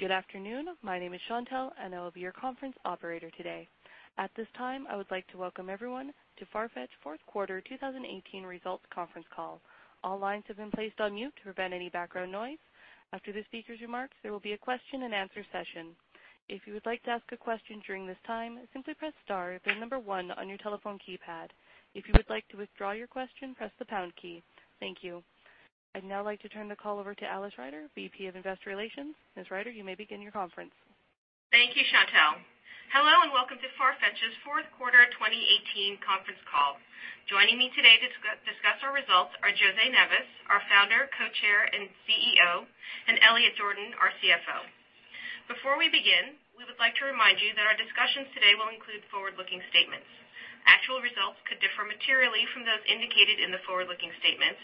Good afternoon. My name is Chantelle, I will be your conference operator today. At this time, I would like to welcome everyone to Farfetch Fourth Quarter 2018 Results Conference Call. All lines have been placed on mute to prevent any background noise. After the speaker's remarks, there will be a question and answer session. If you would like to ask a question during this time, simply press star then the number one on your telephone keypad. If you would like to withdraw your question, press the pound key. Thank you. I'd now like to turn the call over to Alice Ryder, VP of Investor Relations. Ms. Ryder, you may begin your conference. Thank you, Chantelle. Hello, welcome to Farfetch's Fourth Quarter 2018 Conference Call. Joining me today to discuss our results are José Neves, our Founder, Co-Chair, and CEO, Elliot Jordan, our CFO. Before we begin, we would like to remind you that our discussions today will include forward-looking statements. Actual results could differ materially from those indicated in the forward-looking statements,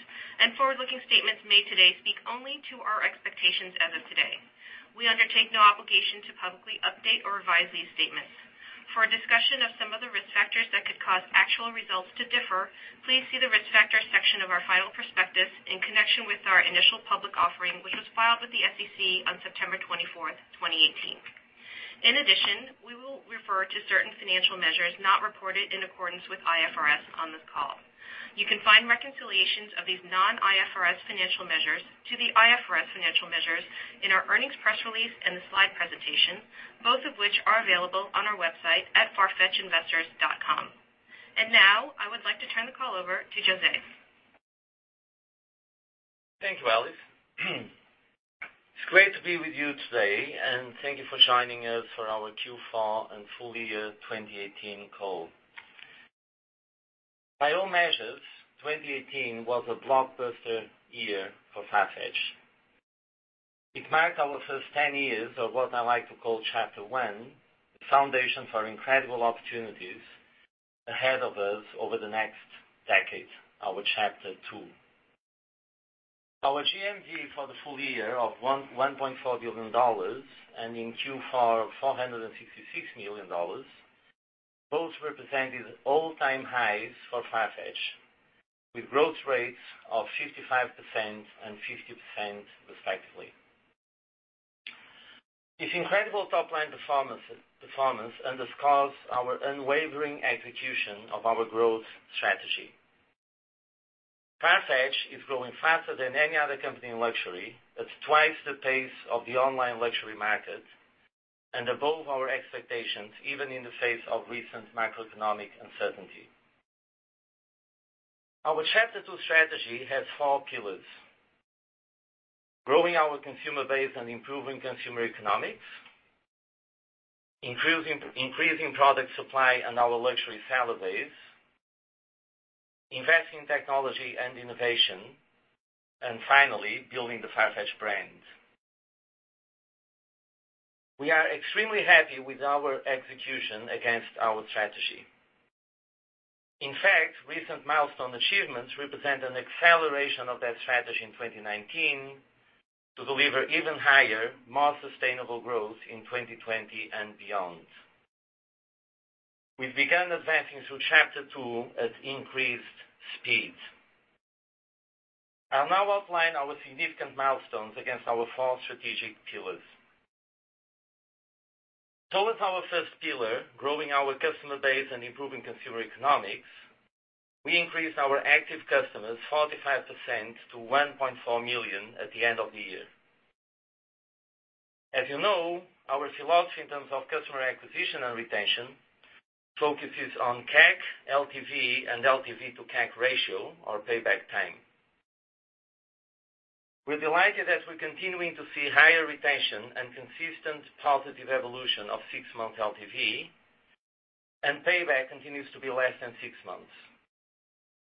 forward-looking statements made today speak only to our expectations as of today. We undertake no obligation to publicly update or revise these statements. For a discussion of some of the risk factors that could cause actual results to differ, please see the risk factors section of our final prospectus in connection with our initial public offering, which was filed with the SEC on September 24th, 2018. We will refer to certain financial measures not reported in accordance with IFRS on this call. You can find reconciliations of these non-IFRS financial measures to the IFRS financial measures in our earnings press release and the slide presentation, both of which are available on our website at farfetchinvestors.com. Now, I would like to turn the call over to José. Thank you, Alice. It's great to be with you today, thank you for joining us for our Q4 and full year 2018 call. By all measures, 2018 was a blockbuster year for Farfetch. It marked our first 10 years of what I like to call chapter one, the foundation for incredible opportunities ahead of us over the next decade, our chapter two. Our GMV for the full year of $1.4 billion in Q4, $466 million, both represented all-time highs for Farfetch, with growth rates of 55% and 50% respectively. This incredible top-line performance underscores our unwavering execution of our growth strategy. Farfetch is growing faster than any other company in luxury. That's twice the pace of the online luxury market and above our expectations, even in the face of recent macroeconomic uncertainty. Our chapter two strategy has four pillars. Growing our consumer base and improving consumer economics, increasing product supply and our luxury seller base, investing in technology and innovation, and finally, building the Farfetch brand. We are extremely happy with our execution against our strategy. In fact, recent milestone achievements represent an acceleration of that strategy in 2019 to deliver even higher, more sustainable growth in 2020 and beyond. We've begun advancing through chapter two at increased speeds. I'll now outline our significant milestones against our four strategic pillars. Towards our first pillar, growing our customer base and improving consumer economics, we increased our active customers 45% to 1.4 million at the end of the year. As you know, our philosophy in terms of customer acquisition and retention focuses on CAC, LTV, and LTV to CAC ratio or payback time. We're delighted as we're continuing to see higher retention and consistent positive evolution of six-month LTV, and payback continues to be less than six months,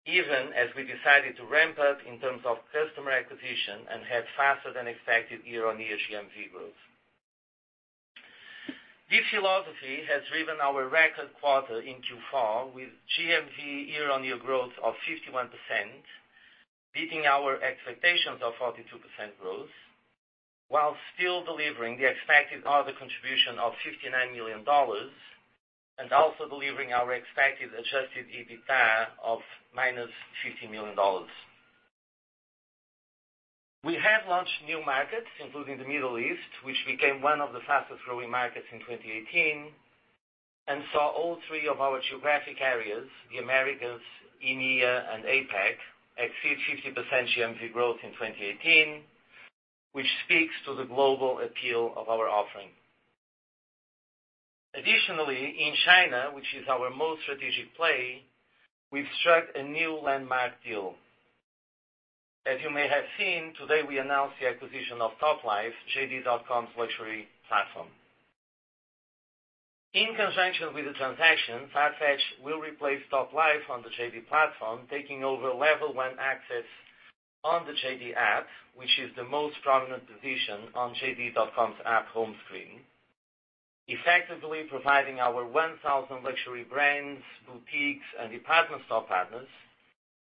even as we decided to ramp up in terms of customer acquisition and had faster than expected year-on-year GMV growth. This philosophy has driven our record quarter in Q4 with GMV year-on-year growth of 51%, beating our expectations of 42% growth while still delivering the expected other contribution of $59 million and also delivering our expected adjusted EBITDA of -$50 million. We have launched new markets, including the Middle East, which became one of the fastest-growing markets in 2018 and saw all three of our geographic areas, the Americas, EMEA, and APAC, exceed 50% GMV growth in 2018, which speaks to the global appeal of our offering. Additionally, in China, which is our most strategic play, we've struck a new landmark deal. As you may have seen, today, we announced the acquisition of Toplife, JD.com's luxury platform. In conjunction with the transaction, Farfetch will replace Toplife on the JD platform, taking over level one access on the JD app, which is the most prominent position on JD.com's app home screen, effectively providing our 1,000 luxury brands, boutiques, and department store partners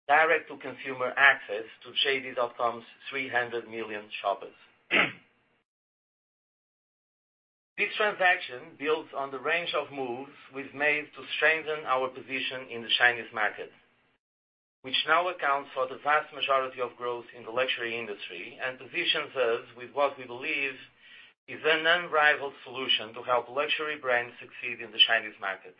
direct-to-consumer access to JD.com's 300 million shoppers. This transaction builds on the range of moves we've made to strengthen our position in the Chinese market, which now accounts for the vast majority of growth in the luxury industry and positions us with what we believe is an unrivaled solution to help luxury brands succeed in the Chinese market.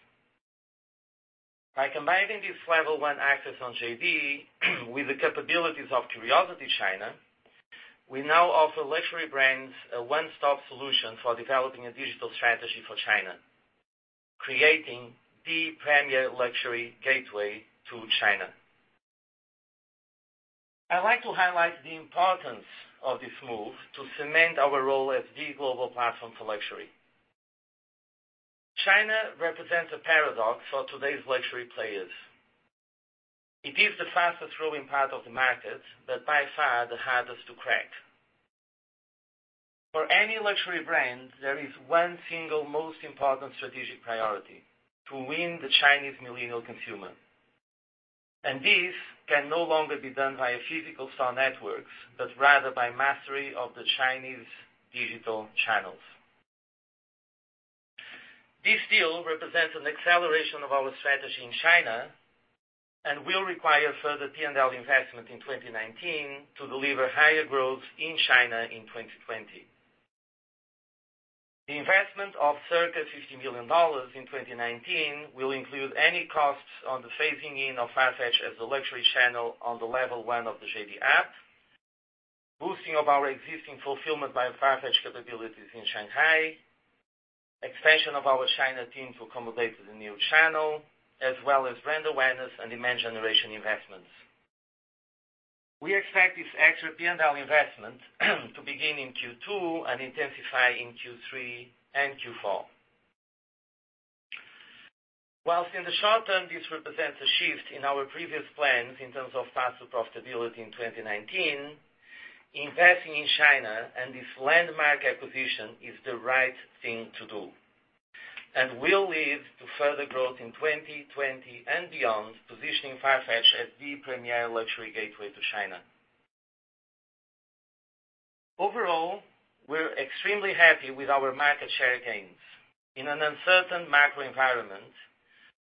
By combining this level one access on JD with the capabilities of CuriosityChina, we now offer luxury brands a one-stop solution for developing a digital strategy for China, creating the premier luxury gateway to China. I'd like to highlight the importance of this move to cement our role as the global platform for luxury. China represents a paradox for today's luxury players. It is the fastest-growing part of the market, but by far the hardest to crack. For any luxury brand, there is one single most important strategic priority, to win the Chinese millennial consumer. This can no longer be done via physical store networks, but rather by mastery of the Chinese digital channels. This deal represents an acceleration of our strategy in China and will require further P&L investment in 2019 to deliver higher growth in China in 2020. The investment of circa $50 million in 2019 will include any costs on the phasing in of Farfetch as the luxury channel on the level one of the JD app, boosting of our existing Fulfillment by Farfetch capabilities in Shanghai, expansion of our China team to accommodate the new channel, as well as brand awareness and demand generation investments. We expect this extra P&L investment to begin in Q2 and intensify in Q3 and Q4. Whilst in the short term, this represents a shift in our previous plans in terms of path to profitability in 2019, investing in China and this landmark acquisition is the right thing to do and will lead to further growth in 2020 and beyond, positioning Farfetch as the premier luxury gateway to China. Overall, we're extremely happy with our market share gains. In an uncertain macro environment,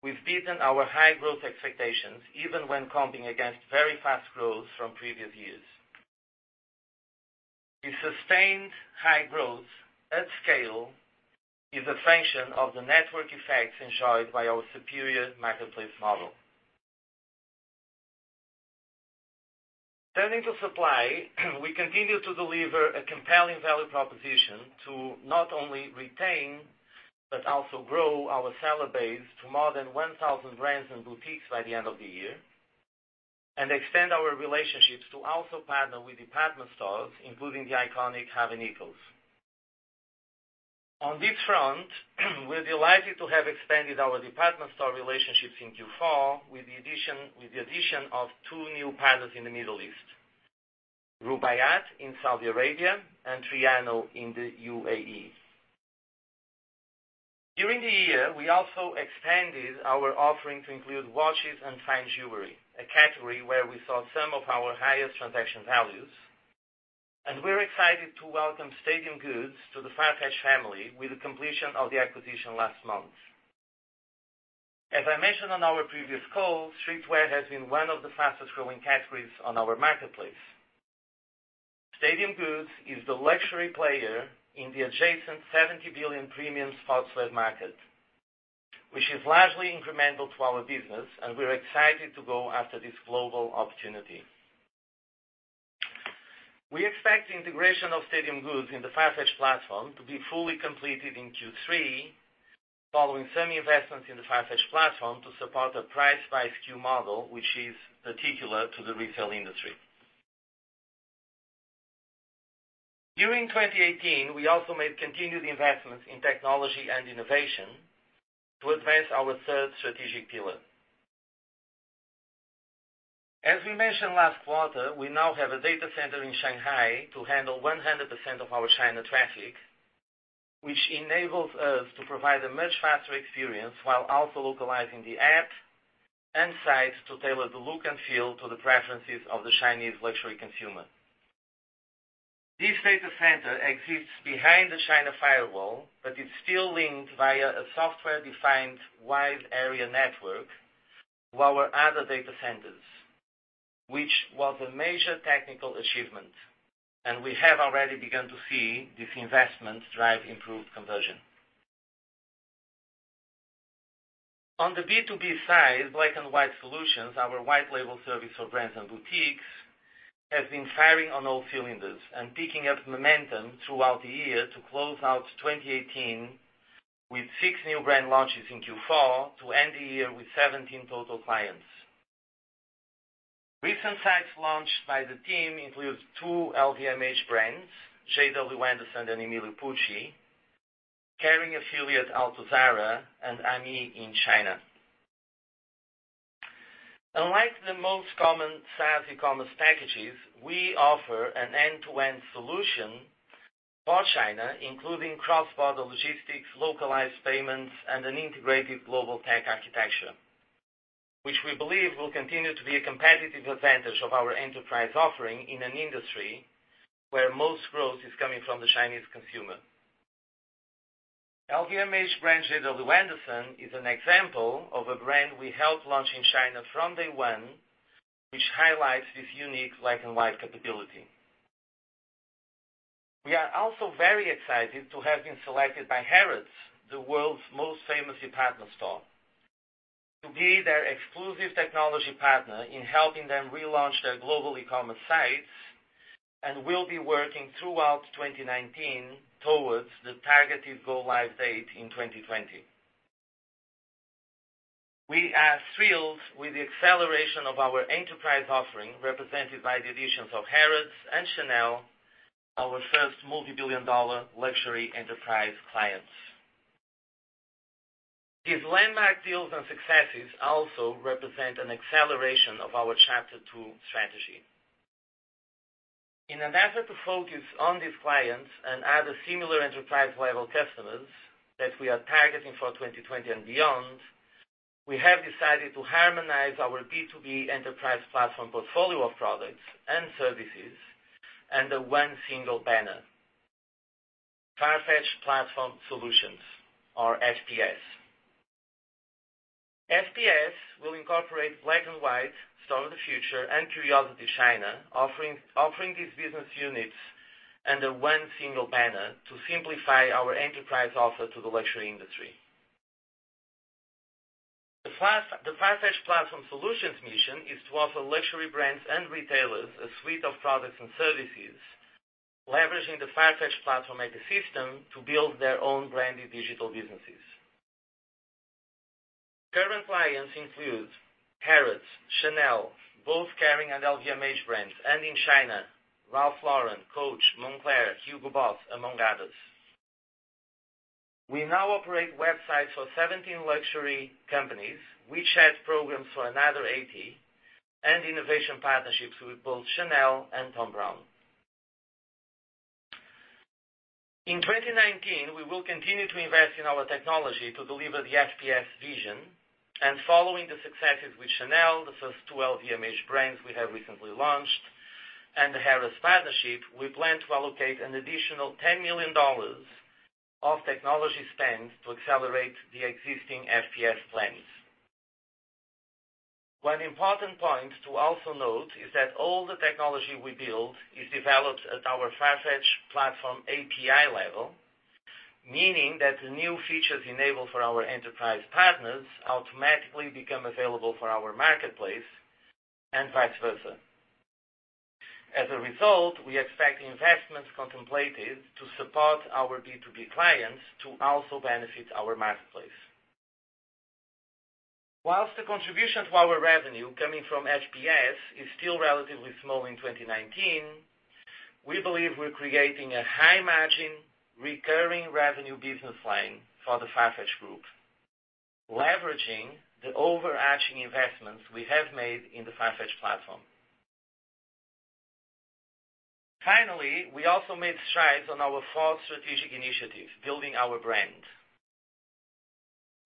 we've beaten our high-growth expectations, even when comping against very fast growth from previous years. The sustained high growth at scale is a function of the network effects enjoyed by our superior marketplace model. Turning to supply, we continue to deliver a compelling value proposition to not only retain but also grow our seller base to more than 1,000 brands and boutiques by the end of the year, and extend our relationships to also partner with department stores, including the iconic Harvey Nichols. On this front, we're delighted to have expanded our department store relationships in Q4 with the addition of two new partners in the Middle East, Rubaiyat in Saudi Arabia and Tryano in the UAE. During the year, we also expanded our offering to include watches and fine jewelry, a category where we saw some of our highest transaction values, and we're excited to welcome Stadium Goods to the Farfetch family with the completion of the acquisition last month. As I mentioned on our previous call, streetwear has been one of the fastest-growing categories on our marketplace. Stadium Goods is the luxury player in the adjacent $70 billion premium sportswear market, which is largely incremental to our business, and we're excited to go after this global opportunity. We expect the integration of Stadium Goods in the Farfetch platform to be fully completed in Q3, following some investments in the Farfetch platform to support a price by SKU model, which is particular to the retail industry. During 2018, we also made continued investments in technology and innovation to advance our third strategic pillar. As we mentioned last quarter, we now have a data center in Shanghai to handle 100% of our China traffic, which enables us to provide a much faster experience while also localizing the app and site to tailor the look and feel to the preferences of the Chinese luxury consumer. This data center exists behind the China firewall, but is still linked via a software-defined wide area network to our other data centers, which was a major technical achievement, and we have already begun to see this investment drive improved conversion. On the B2B side, Black & White Solutions, our white label service for brands and boutiques, has been firing on all cylinders and picking up momentum throughout the year to close out 2018 with six new brand launches in Q4 to end the year with 17 total clients. Recent sites launched by the team include two LVMH brands, JW Anderson and Emilio Pucci, Kering affiliate, Altuzarra, and AMI in China. Unlike the most common SaaS e-commerce packages, we offer an end-to-end solution for China, including cross-border logistics, localized payments, and an integrated global tech architecture, which we believe will continue to be a competitive advantage of our enterprise offering in an industry where most growth is coming from the Chinese consumer. LVMH brand, JW Anderson, is an example of a brand we helped launch in China from day one, which highlights this unique Black & White capability. We are also very excited to have been selected by Harrods, the world's most famous department store, to be their exclusive technology partner in helping them relaunch their global e-commerce sites, and will be working throughout 2019 towards the targeted go live date in 2020. We are thrilled with the acceleration of our enterprise offering, represented by the additions of Harrods and Chanel, our first multibillion-dollar luxury enterprise clients. These landmark deals and successes also represent an acceleration of our Chapter Two strategy. In an effort to focus on these clients and other similar enterprise-level customers that we are targeting for 2020 and beyond, we have decided to harmonize our B2B enterprise platform portfolio of products and services under one single banner, Farfetch Platform Solutions or FPS. FPS will incorporate Black & White, Store of the Future, and CuriosityChina, offering these business units under one single banner to simplify our enterprise offer to the luxury industry. The Farfetch Platform Solutions mission is to offer luxury brands and retailers a suite of products and services, leveraging the Farfetch platform ecosystem to build their own branded digital businesses. Current clients include Harrods, Chanel, both Kering and LVMH brands, and in China, Ralph Lauren, Coach, Moncler, Hugo Boss, among others. We now operate websites for 17 luxury companies, which has programs for another 80, and innovation partnerships with both Chanel and Thom Browne. In 2019, we will continue to invest in our technology to deliver the FPS vision, and following the successes with Chanel, the first two LVMH brands we have recently launched, and the Harrods partnership, we plan to allocate an additional $10 million of technology spend to accelerate the existing FPS plans. One important point to also note is that all the technology we build is developed at our Farfetch platform API level, meaning that the new features enabled for our enterprise partners automatically become available for our marketplace and vice versa. As a result, we expect the investments contemplated to support our B2B clients to also benefit our marketplace. Whilst the contribution to our revenue coming from FPS is still relatively small in 2019, we believe we're creating a high-margin, recurring revenue business line for the Farfetch group, leveraging the overarching investments we have made in the Farfetch platform. Finally, we also made strides on our fourth strategic initiative, building our brand.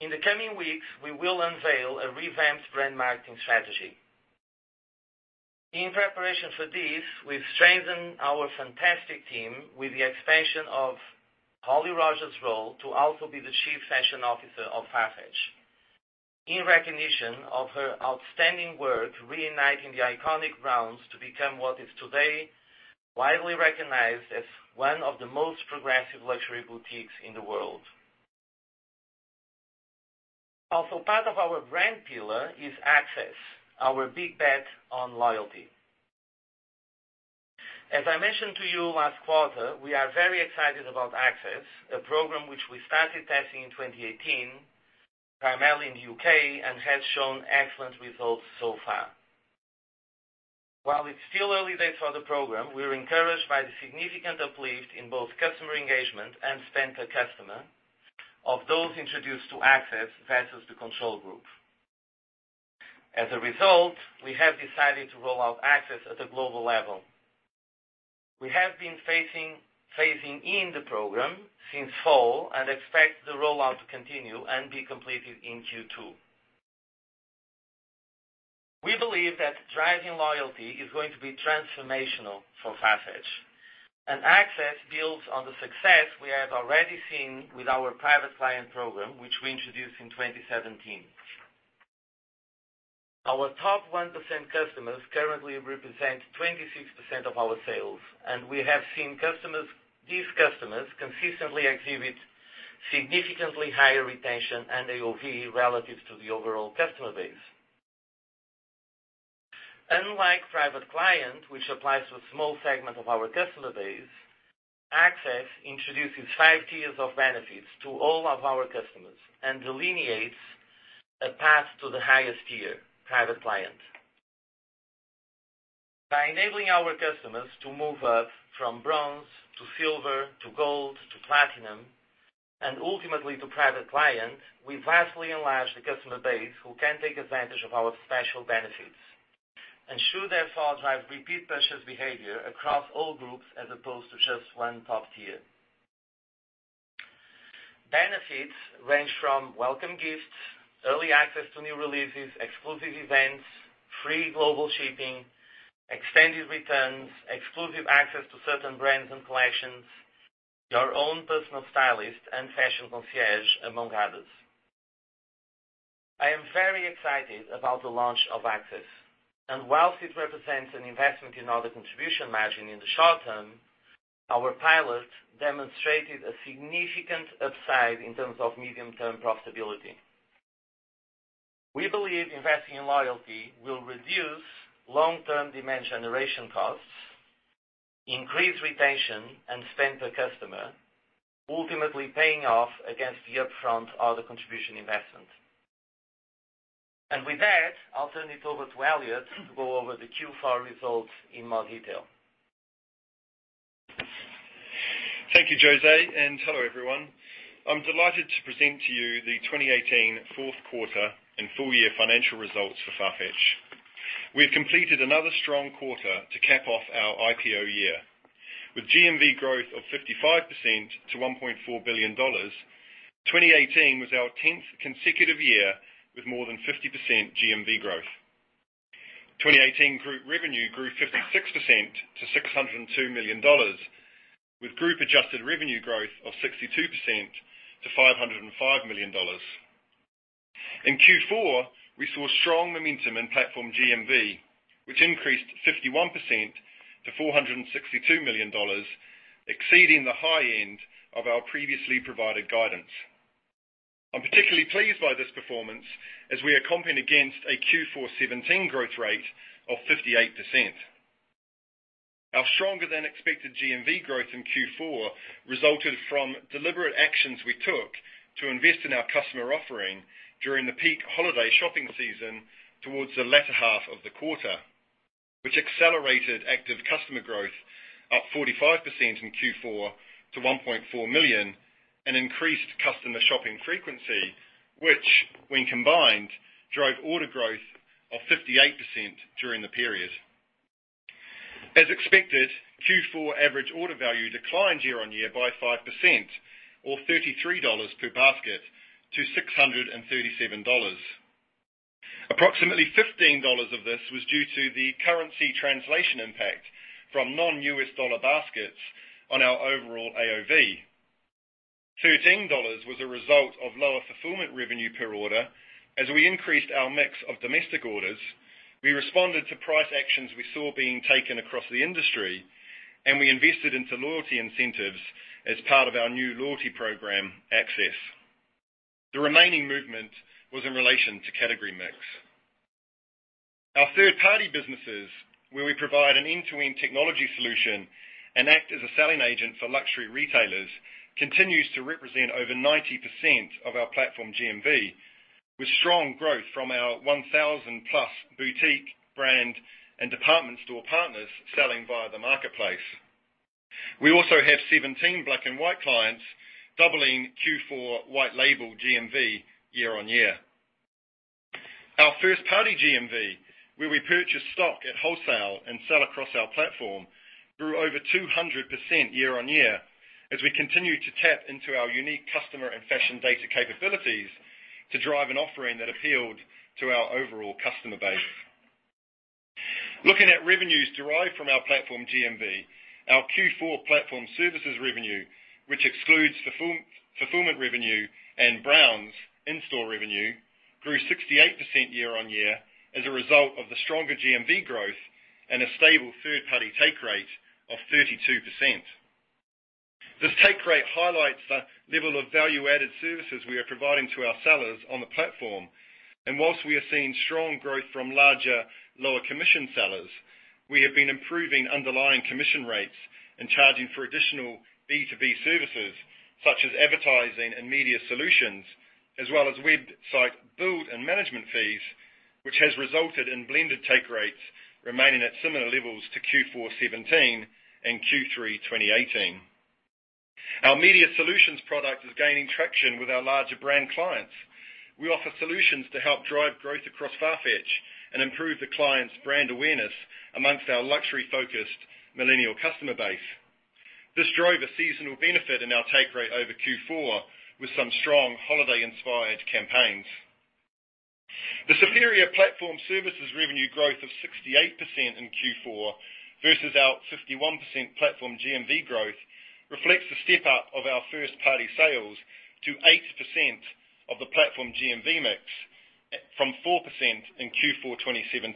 In the coming weeks, we will unveil a revamped brand marketing strategy. In preparation for this, we've strengthened our fantastic team with the expansion of Holli Rogers' role to also be the Chief Fashion Officer of Farfetch in recognition of her outstanding work reigniting the iconic Browns to become what is today widely recognized as one of the most progressive luxury boutiques in the world. Also part of our brand pillar is Access, our big bet on loyalty. As I mentioned to you last quarter, we are very excited about Access, a program which we started testing in 2018, primarily in the U.K., and has shown excellent results so far. While it's still early days for the program, we're encouraged by the significant uplift in both customer engagement and spend per customer of those introduced to Access versus the control group. As a result, we have decided to roll out Access at a global level. We have been phasing in the program since fall and expect the rollout to continue and be completed in Q2. We believe that driving loyalty is going to be transformational for Farfetch, and Access builds on the success we have already seen with our Private Client program, which we introduced in 2017. Our top 1% customers currently represent 26% of our sales, and we have seen these customers consistently exhibit significantly higher retention and AOV relative to the overall customer base. Unlike Private Client, which applies to a small segment of our customer base, Access introduces five tiers of benefits to all of our customers and delineates a path to the highest tier, Private Client. By enabling our customers to move up from bronze to silver, to gold, to platinum, and ultimately to Private Client, we vastly enlarge the customer base who can take advantage of our special benefits and should therefore drive repeat purchase behavior across all groups as opposed to just one top tier. Benefits range from welcome gifts, early access to new releases, exclusive events, free global shipping, extended returns, exclusive access to certain brands and collections, your own personal stylist and fashion concierge, among others. I am very excited about the launch of Access, and whilst it represents an investment in order contribution margin in the short term, our pilot demonstrated a significant upside in terms of medium-term profitability. We believe investing in loyalty will reduce long-term demand generation costs, increase retention and spend per customer, ultimately paying off against the upfront order contribution investment. With that, I'll turn it over to Elliot to go over the Q4 results in more detail. Thank you, José, and hello, everyone. I'm delighted to present to you the 2018 fourth quarter and full year financial results for Farfetch. We've completed another strong quarter to cap off our IPO year. With GMV growth of 55% to $1.4 billion, 2018 was our 10th consecutive year with more than 50% GMV growth. 2018 group revenue grew 56% to $602 million, with group-adjusted revenue growth of 62% to $505 million. In Q4, we saw strong momentum in platform GMV, which increased 51% to $462 million, exceeding the high end of our previously provided guidance. I'm particularly pleased by this performance, as we are competing against a Q4 2017 growth rate of 58%. Our stronger than expected GMV growth in Q4 resulted from deliberate actions we took to invest in our customer offering during the peak holiday shopping season towards the latter half of the quarter, which accelerated active customer growth up 45% in Q4 to 1.4 million, and increased customer shopping frequency, which, when combined, drove order growth of 58% during the period. As expected, Q4 average order value declined year-on-year by 5%, or $33 per basket to $637. Approximately $15 of this was due to the currency translation impact from non-U.S. dollar baskets on our overall AOV. $13 was a result of lower fulfillment revenue per order, as we increased our mix of domestic orders. We responded to price actions we saw being taken across the industry, we invested into loyalty incentives as part of our new loyalty program Access. The remaining movement was in relation to category mix. Our third-party businesses, where we provide an end-to-end technology solution and act as a selling agent for luxury retailers, continues to represent over 90% of our platform GMV, with strong growth from our 1,000+ boutique brand and department store partners selling via the marketplace. We also have 17 Black & White clients, doubling Q4 white label GMV year-on-year. Our first-party GMV, where we purchase stock at wholesale and sell across our platform, grew over 200% year-on-year, as we continue to tap into our unique customer and fashion data capabilities to drive an offering that appealed to our overall customer base. Looking at revenues derived from our platform GMV, our Q4 platform services revenue, which excludes fulfillment revenue and Browns in-store revenue, grew 68% year-on-year as a result of the stronger GMV growth and a stable third-party take rate of 32%. This take rate highlights the level of value-added services we are providing to our sellers on the platform. Whilst we are seeing strong growth from larger, lower commission sellers, we have been improving underlying commission rates and charging for additional B2B services, such as advertising and media solutions, as well as website build and management fees, which has resulted in blended take rates remaining at similar levels to Q4 2017 and Q3 2018. Our media solutions product is gaining traction with our larger brand clients. We offer solutions to help drive growth across Farfetch and improve the client's brand awareness amongst our luxury-focused millennial customer base. This drove a seasonal benefit in our take rate over Q4 with some strong holiday-inspired campaigns. The superior platform services revenue growth of 68% in Q4 versus our 51% platform GMV growth reflects the step up of our first-party sales to 80% of the platform GMV mix from 4% in Q4 2017.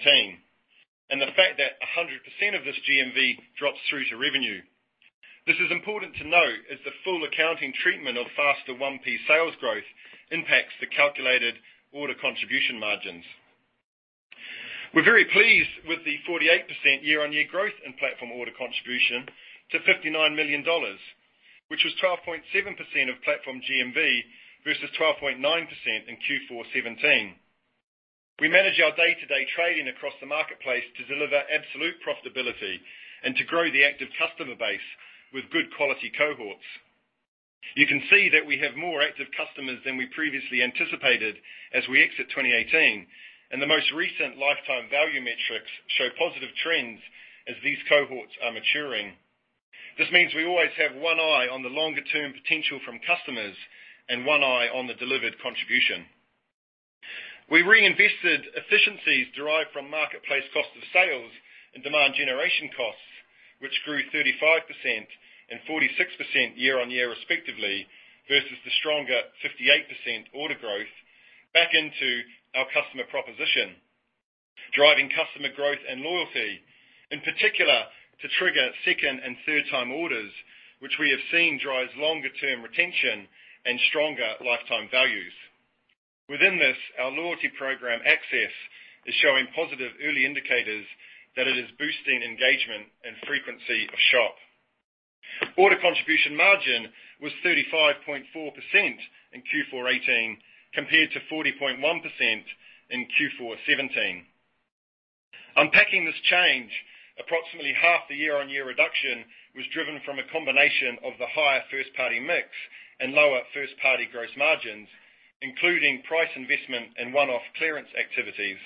The fact that 100% of this GMV drops through to revenue. This is important to note as the full accounting treatment of faster 1P sales growth impacts the calculated order contribution margins. We're very pleased with the 48% year-on-year growth in platform order contribution to $59 million, which was 12.7% of platform GMV versus 12.9% in Q4 2017. We manage our day-to-day trading across the marketplace to deliver absolute profitability and to grow the active customer base with good quality cohorts. You can see that we have more active customers than we previously anticipated as we exit 2018, and the most recent lifetime value metrics show positive trends as these cohorts are maturing. This means we always have one eye on the longer-term potential from customers, and one eye on the delivered contribution. We reinvested efficiencies derived from marketplace cost of sales and demand generation costs, which grew 35% and 46% year-on-year respectively, versus the stronger 58% order growth back into our customer proposition, driving customer growth and loyalty, in particular to trigger second and third-time orders, which we have seen drives longer-term retention and stronger lifetime values. Within this, our loyalty program Access is showing positive early indicators that it is boosting engagement and frequency of shop. Order contribution margin was 35.4% in Q4 2018, compared to 40.1% in Q4 2017. Unpacking this change, approximately half the year-on-year reduction was driven from a combination of the higher first-party mix and lower first-party gross margins, including price investment and one-off clearance activities.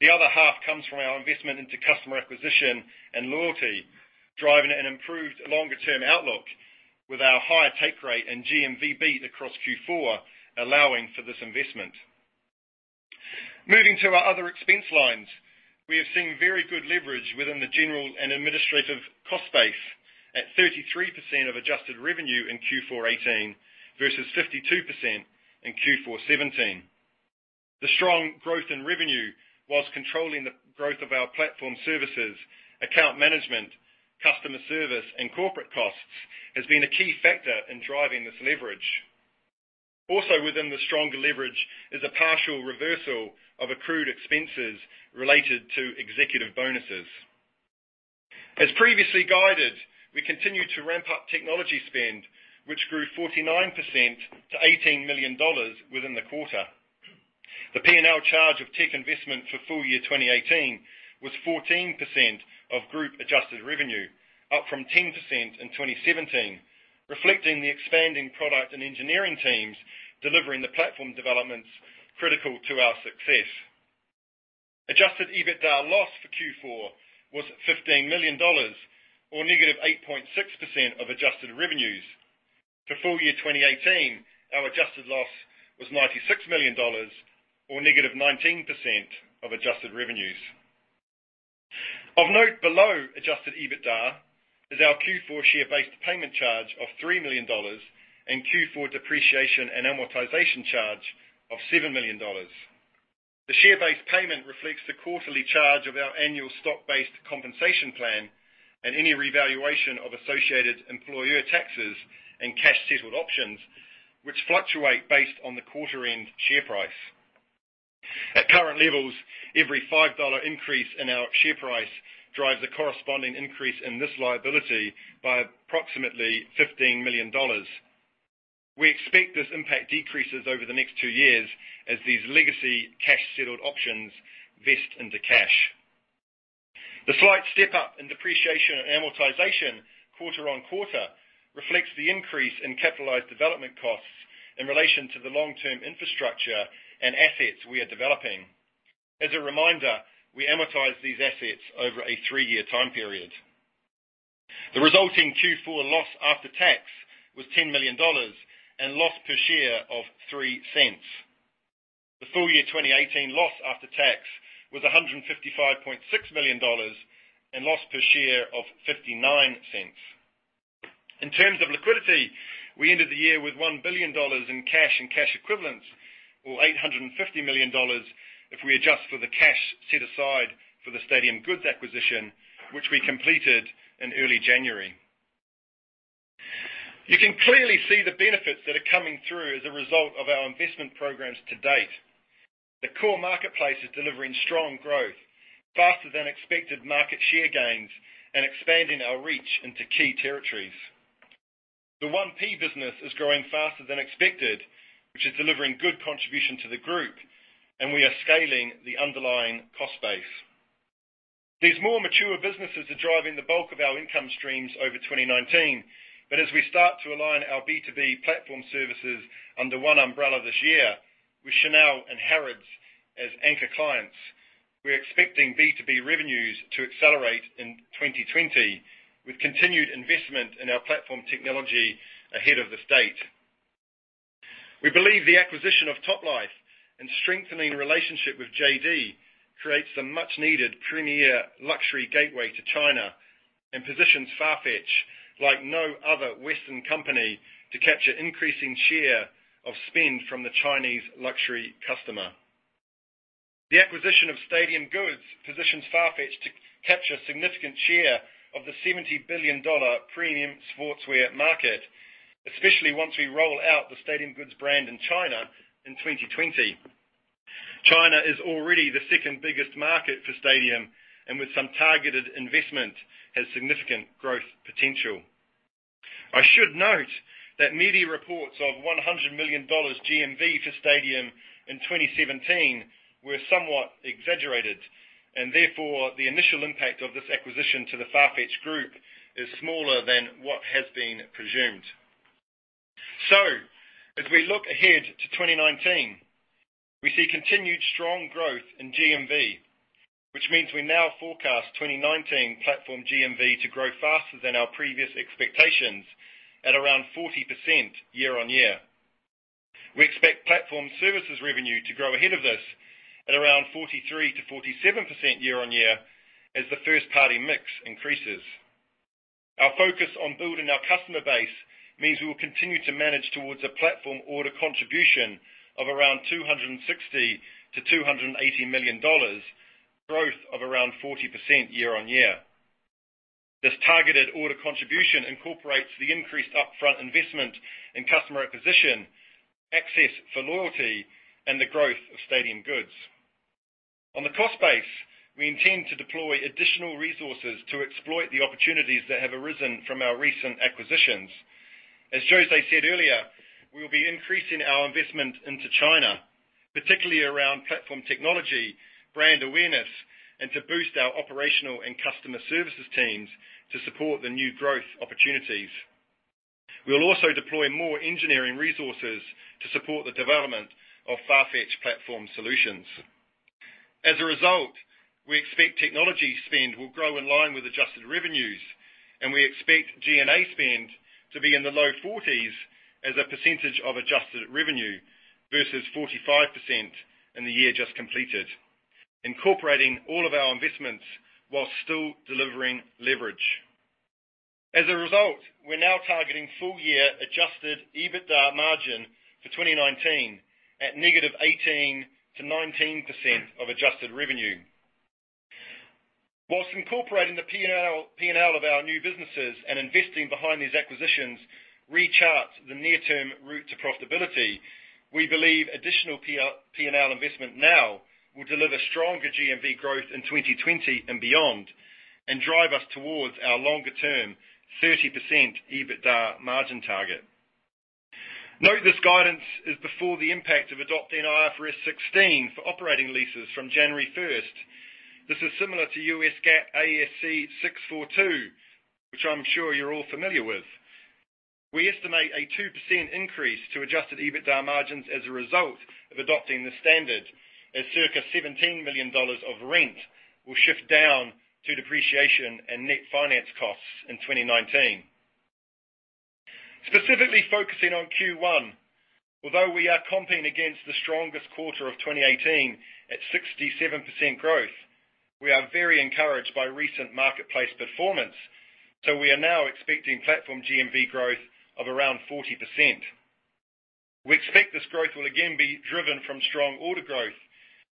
The other half comes from our investment into customer acquisition and loyalty, driving an improved longer-term outlook with our higher take rate and GMV beat across Q4, allowing for this investment. Moving to our other expense lines. We have seen very good leverage within the general and administrative cost base at 33% of adjusted revenue in Q4 2018 versus 52% in Q4 2017. The strong growth in revenue whilst controlling the growth of our platform services, account management, customer service, and corporate costs has been a key factor in driving this leverage. Also within the stronger leverage is a partial reversal of accrued expenses related to executive bonuses. As previously guided, we continued to ramp up technology spend, which grew 49% to $18 million within the quarter. The P&L charge of tech investment for full year 2018 was 14% of group-adjusted revenue, up from 10% in 2017, reflecting the expanding product and engineering teams delivering the platform developments critical to our success. Adjusted EBITDA loss for Q4 was $15 million, or -8.6% of adjusted revenues. For full year 2018, our adjusted loss was $96 million, or -19% of adjusted revenues. Of note below adjusted EBITDA is our Q4 share-based payment charge of $3 million and Q4 depreciation and amortization charge of $7 million. The share-based payment reflects the quarterly charge of our annual stock-based compensation plan and any revaluation of associated employer taxes and cash-settled options, which fluctuate based on the quarter-end share price. At current levels, every $5 increase in our share price drives a corresponding increase in this liability by approximately $15 million. We expect this impact decreases over the next two years as these legacy cash-settled options vest into cash. The slight step-up in depreciation and amortization quarter-on-quarter reflects the increase in capitalized development costs in relation to the long-term infrastructure and assets we are developing. As a reminder, we amortize these assets over a three-year time period. The resulting Q4 loss after tax was $10 million and loss per share of $0.03. The full year 2018 loss after tax was $155.6 million and loss per share of $0.59. In terms of liquidity, we ended the year with $1 billion in cash and cash equivalents, or $850 million if we adjust for the cash set aside for the Stadium Goods acquisition, which we completed in early January. You can clearly see the benefits that are coming through as a result of our investment programs to date. The core marketplace is delivering strong growth faster than expected market share gains, and expanding our reach into key territories. The 1P business is growing faster than expected, which is delivering good contribution to the group, and we are scaling the underlying cost base. These more mature businesses are driving the bulk of our income streams over 2019. As we start to align our B2B platform services under one umbrella this year with Chanel and Harrods as anchor clients, we're expecting B2B revenues to accelerate in 2020 with continued investment in our platform technology ahead of this date. We believe the acquisition of Toplife and strengthening relationship with JD creates a much-needed premier luxury gateway to China and positions Farfetch like no other Western company to capture increasing share of spend from the Chinese luxury customer. The acquisition of Stadium Goods positions Farfetch to capture a significant share of the $70 billion premium sportswear market, especially once we roll out the Stadium Goods brand in China in 2020. China is already the second-biggest market for Stadium, and with some targeted investment, has significant growth potential. I should note that media reports of $100 million GMV for Stadium in 2017 were somewhat exaggerated, and therefore, the initial impact of this acquisition to the Farfetch group is smaller than what has been presumed. As we look ahead to 2019, we see continued strong growth in GMV, which means we now forecast 2019 platform GMV to grow faster than our previous expectations at around 40% year-on-year. We expect platform services revenue to grow ahead of this at around 43%-47% year-on-year as the first-party mix increases. Our focus on building our customer base means we will continue to manage towards a platform order contribution of around $260 million-$280 million, growth of around 40% year-on-year. This targeted order contribution incorporates the increased upfront investment in customer acquisition, Access for loyalty, and the growth of Stadium Goods. On the cost base, we intend to deploy additional resources to exploit the opportunities that have arisen from our recent acquisitions. As José said earlier, we will be increasing our investment into China, particularly around platform technology, brand awareness, and to boost our operational and customer services teams to support the new growth opportunities. We'll also deploy more engineering resources to support the development of Farfetch Platform Solutions. As a result, we expect technology spend will grow in line with adjusted revenues, and we expect G&A spend to be in the low 40s as a percentage of adjusted revenue, versus 45% in the year just completed. Incorporating all of our investments while still delivering leverage. As a result, we're now targeting full-year adjusted EBITDA margin for 2019 at -18% to 19% of adjusted revenue. Whilst incorporating the P&L of our new businesses and investing behind these acquisitions rechart the near-term route to profitability, we believe additional P&L investment now will deliver stronger GMV growth in 2020 and beyond, and drive us towards our longer-term 30% EBITDA margin target. Note this guidance is before the impact of adopting IFRS 16 for operating leases from January 1st. This is similar to U.S. GAAP ASC 842, which I am sure you are all familiar with. We estimate a 2% increase to adjusted EBITDA margins as a result of adopting the standard, as circa $17 million of rent will shift down to depreciation and net finance costs in 2019. Specifically focusing on Q1, although we are comping against the strongest quarter of 2018 at 67% growth, we are very encouraged by recent marketplace performance. We are now expecting platform GMV growth of around 40%. We expect this growth will again be driven from strong order growth,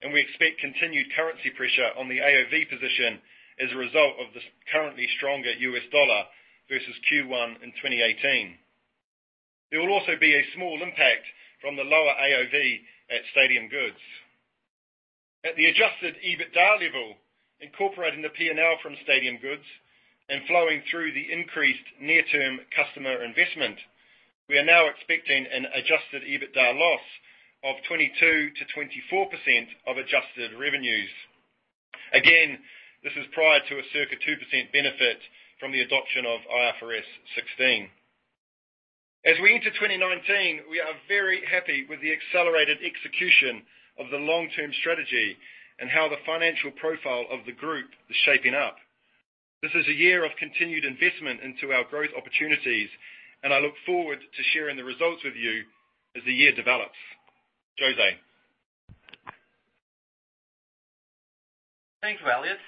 and we expect continued currency pressure on the AOV position as a result of the currently stronger U.S. dollar versus Q1 in 2018. There will also be a small impact from the lower AOV at Stadium Goods. At the adjusted EBITDA level, incorporating the P&L from Stadium Goods and flowing through the increased near-term customer investment, we are now expecting an adjusted EBITDA loss of 22%-24% of adjusted revenues. Again, this is prior to a circa 2% benefit from the adoption of IFRS 16. As we enter 2019, we are very happy with the accelerated execution of the long-term strategy and how the financial profile of the group is shaping up. This is a year of continued investment into our growth opportunities, and I look forward to sharing the results with you as the year develops. José. Thanks, Elliot.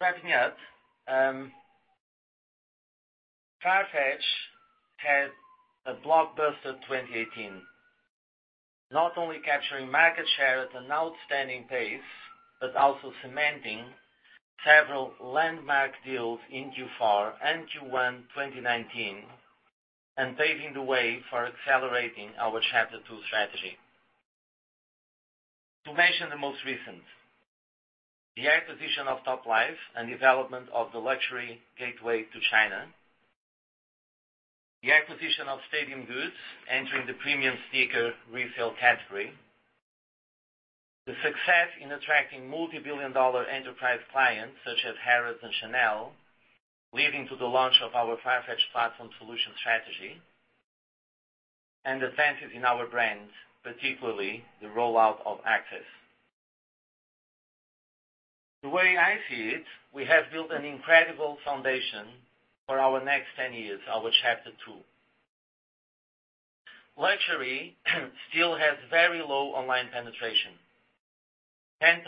Wrapping up, Farfetch had a blockbuster 2018, not only capturing market share at an outstanding pace, but also cementing several landmark deals in Q4 and Q1 2019, and paving the way for accelerating our Chapter Two strategy. To mention the most recent, the acquisition of Toplife and development of the luxury gateway to China. The acquisition of Stadium Goods, entering the premium sneaker resale category. The success in attracting multibillion-dollar enterprise clients, such as Harrods and Chanel, leading to the launch of our Farfetch Platform Solutions strategy. Advances in our brands, particularly the rollout of Access. The way I see it, we have built an incredible foundation for our next 10 years, our Chapter Two. Luxury still has very low online penetration, 10%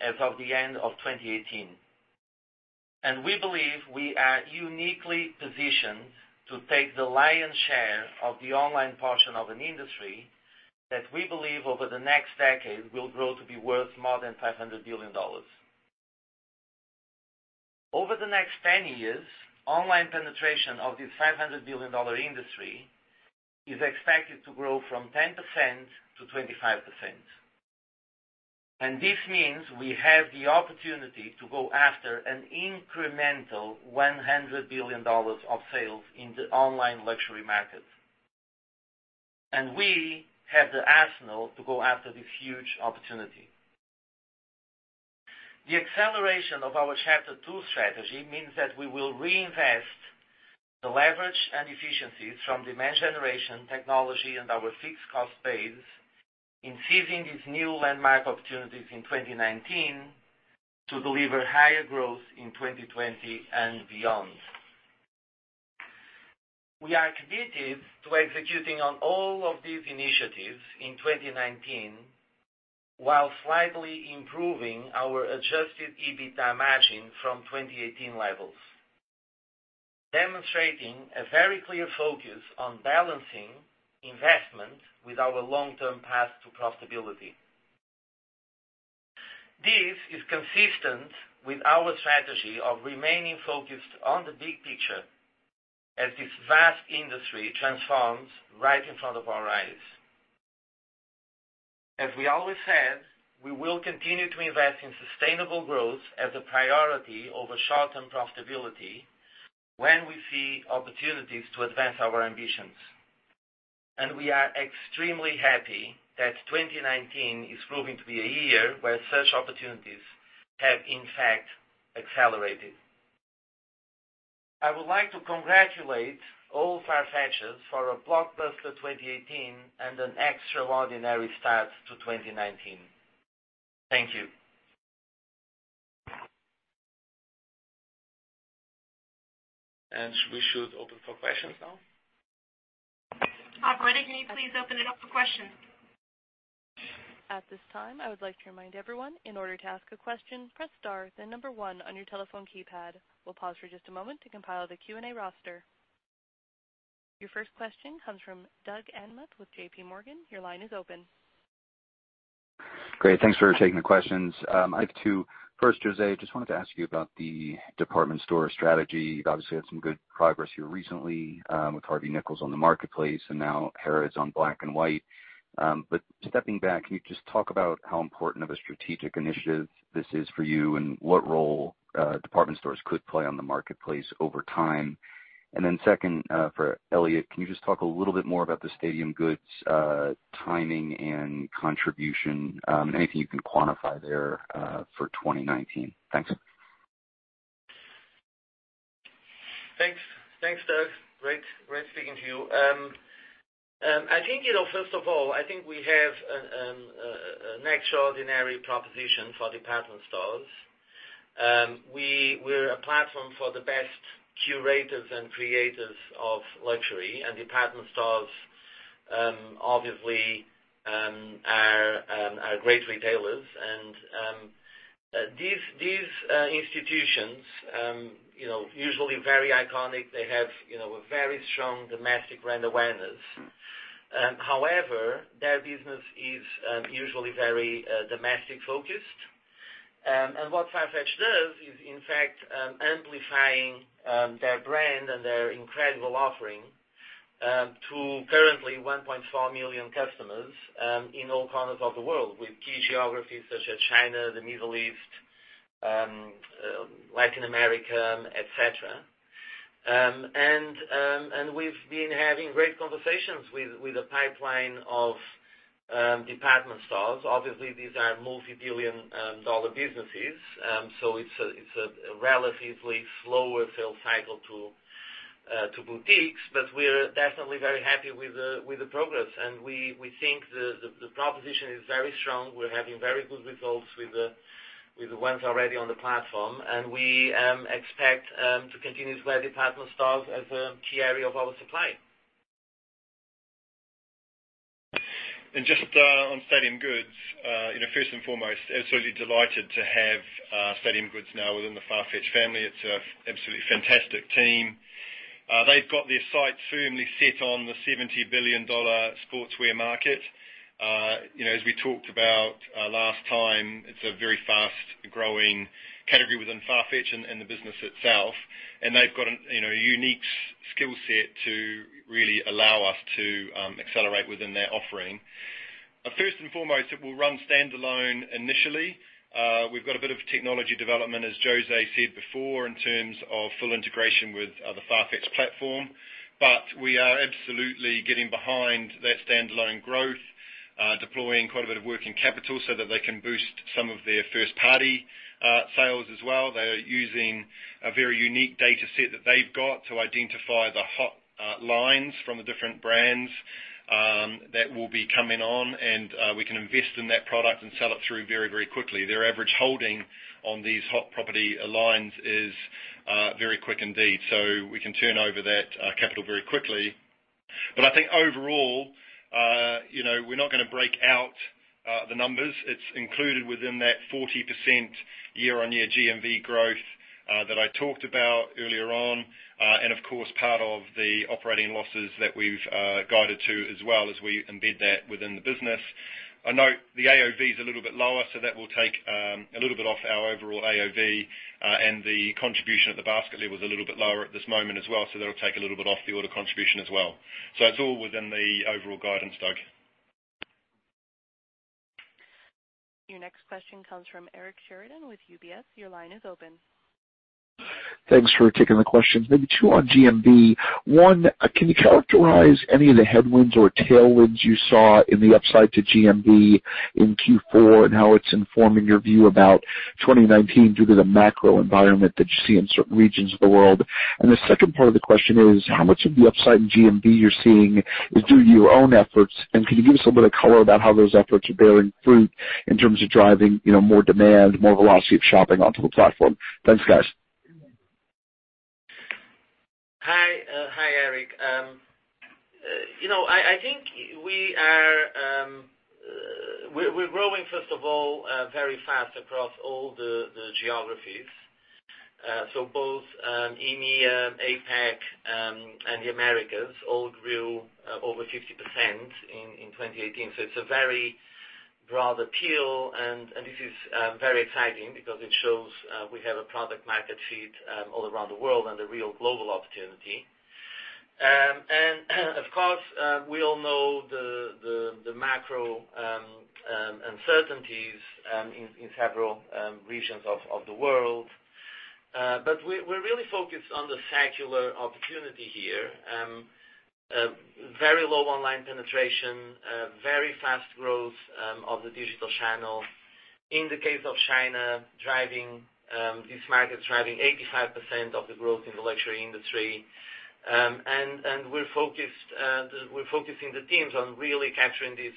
as of the end of 2018. We believe we are uniquely positioned to take the lion's share of the online portion of an industry that we believe over the next decade will grow to be worth more than $500 billion. Over the next 10 years, online penetration of this $500 billion industry is expected to grow from 10%-25%. This means we have the opportunity to go after an incremental $100 billion of sales in the online luxury market. We have the arsenal to go after this huge opportunity. The acceleration of our Chapter Two strategy means that we will reinvest the leverage and efficiencies from demand generation technology and our fixed cost base in seizing these new landmark opportunities in 2019 to deliver higher growth in 2020 and beyond. We are committed to executing on all of these initiatives in 2019 while slightly improving our adjusted EBITDA margin from 2018 levels, demonstrating a very clear focus on balancing investment with our long-term path to profitability. This is consistent with our strategy of remaining focused on the big picture as this vast industry transforms right in front of our eyes. As we always said, we will continue to invest in sustainable growth as a priority over short-term profitability when we see opportunities to advance our ambitions. We are extremely happy that 2019 is proving to be a year where such opportunities have, in fact, accelerated. I would like to congratulate all Farfetchers for a blockbuster 2018 and an extraordinary start to 2019. Thank you. We should open for questions now. Operator, can you please open it up for questions? At this time, I would like to remind everyone, in order to ask a question, press star, then number one on your telephone keypad. We'll pause for just a moment to compile the Q&A roster. Your first question comes from Doug Anmuth with JPMorgan. Your line is open. Great. Thanks for taking the questions. I have two. First, José, just wanted to ask you about the department store strategy. You've obviously had some good progress here recently, with Harvey Nichols on the marketplace and now Harrods on Black & White. Stepping back, can you just talk about how important of a strategic initiative this is for you and what role department stores could play on the marketplace over time? Then second, for Elliot, can you just talk a little bit more about the Stadium Goods timing and contribution? Anything you can quantify there for 2019. Thanks. Thanks, Doug. Great speaking to you. First of all, I think we have an extraordinary proposition for department stores. We're a platform for the best curators and creators of luxury, and department stores, obviously, are great retailers. These institutions, usually very iconic. They have a very strong domestic brand awareness. However, their business is usually very domestic-focused. What Farfetch does is, in fact, amplifying their brand and their incredible offering to currently 1.4 million customers in all corners of the world, with key geographies such as China, the Middle East, Latin America, et cetera. We've been having great conversations with a pipeline of department stores. Obviously, these are multibillion-dollar businesses, so it's a relatively slower sales cycle to boutiques. We're definitely very happy with the progress, and we think the proposition is very strong. We're having very good results with the ones already on the platform. We expect to continue to grow department stores as a key area of our supply. Just on Stadium Goods, first and foremost, absolutely delighted to have Stadium Goods now within the Farfetch family. It's an absolutely fantastic team. They've got their sights firmly set on the $70 billion sportswear market. As we talked about last time, it's a very fast-growing category within Farfetch and the business itself. They've got a unique skill set to really allow us to accelerate within that offering. First and foremost, it will run standalone initially. We've got a bit of technology development, as José said before, in terms of full integration with the Farfetch platform. We are absolutely getting behind that standalone growth, deploying quite a bit of working capital so that they can boost some of their first-party sales as well. They are using a very unique data set that they've got to identify the hot lines from the different brands that will be coming on. We can invest in that product and sell it through very, very quickly. Their average holding on these hot property lines is very quick indeed. We can turn over that capital very quickly. I think overall, we're not going to break out the numbers. It's included within that 40% year-on-year GMV growth that I talked about earlier on. Of course, part of the operating losses that we've guided to as well as we embed that within the business. I note the AOV is a little bit lower, so that will take a little bit off our overall AOV. The contribution at the basket level is a little bit lower at this moment as well, that'll take a little bit off the order contribution as well. It's all within the overall guidance, Doug. Your next question comes from Eric Sheridan with UBS. Your line is open. Thanks for taking the questions. Maybe two on GMV. One, can you characterize any of the headwinds or tailwinds you saw in the upside to GMV in Q4, and how it's informing your view about 2019 due to the macro environment that you see in certain regions of the world? The second part of the question is, how much of the upside in GMV you're seeing is due to your own efforts, and can you give us a bit of color about how those efforts are bearing fruit in terms of driving more demand, more velocity of shopping onto the platform? Thanks, guys. Hi, Eric. I think we're growing, first of all, very fast across all the geographies. Both EMEA, APAC, and the Americas all grew over 50% in 2018. It's a very broad appeal, and this is very exciting because it shows we have a product market fit all around the world and a real global opportunity. Of course, we all know the macro uncertainties in several regions of the world. We're really focused on the secular opportunity here. Very low online penetration, very fast growth of the digital channel. In the case of China, this market's driving 85% of the growth in the luxury industry. We're focusing the teams on really capturing this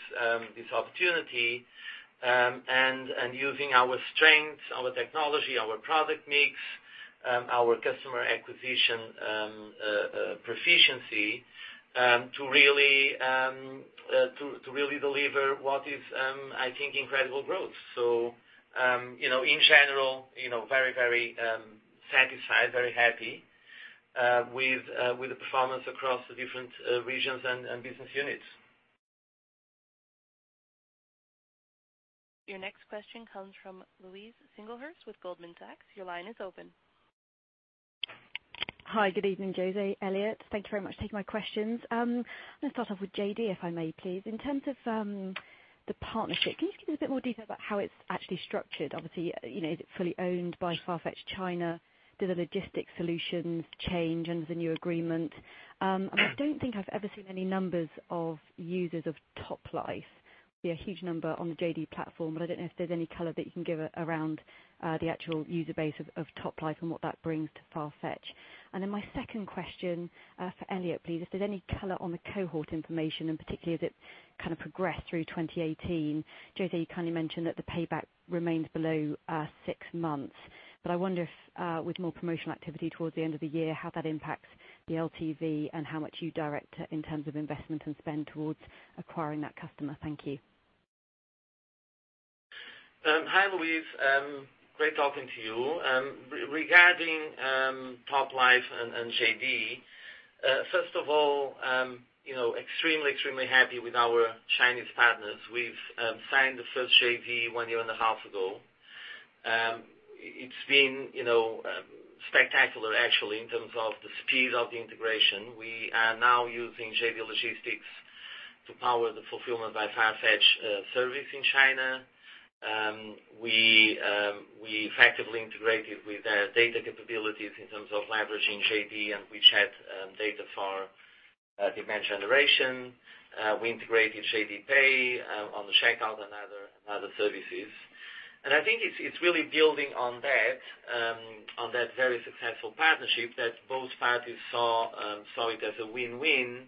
opportunity, and using our strengths, our technology, our product mix, our customer acquisition proficiency, to really deliver what is, I think, incredible growth. In general, very satisfied, very happy with the performance across the different regions and business units. Your next question comes from Louise Singlehurst with Goldman Sachs. Your line is open. Hi. Good evening, José, Elliot. Thank you very much for taking my questions. I'm going to start off with JD, if I may, please. In terms of the partnership, can you just give me a bit more detail about how it's actually structured? Obviously, is it fully owned by Farfetch China? Do the logistic solutions change under the new agreement? I don't think I've ever seen any numbers of users of Toplife. It'd be a huge number on the JD platform, but I don't know if there's any color that you can give around the actual user base of Toplife and what that brings to Farfetch. My second question, for Elliot, please, if there's any color on the cohort information, and particularly as it kind of progressed through 2018. José, you kindly mentioned that the payback remains below six months. I wonder if, with more promotional activity towards the end of the year, how that impacts the LTV and how much you direct in terms of investment and spend towards acquiring that customer. Thank you. Hi, Louise. Great talking to you. Regarding Toplife and JD, first of all extremely happy with our Chinese partners. We've signed the first JV one year and a half ago. It's been spectacular, actually, in terms of the speed of the integration. We are now using JD Logistics to power the Fulfillment by Farfetch service in China. We effectively integrated with their data capabilities in terms of leveraging JD and WeChat data for demand generation. We integrated JD Pay on the checkout and other services. I think it's really building on that very successful partnership that both parties saw it as a win-win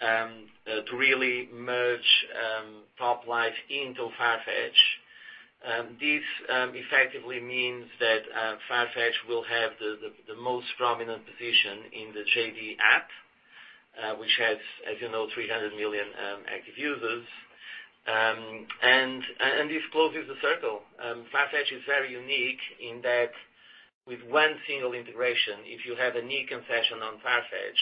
to really merge Toplife into Farfetch. This effectively means that Farfetch will have the most prominent position in the JD app, which has, as you know, 300 million active users. This closes the circle. Farfetch is very unique in that with one single integration, if you have a new concession on Farfetch,